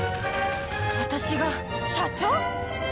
私が社長⁉